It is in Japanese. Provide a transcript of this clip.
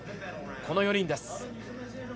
この４人です。